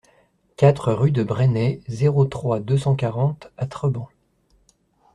quatre rue de Bresnay, zéro trois, deux cent quarante à Treban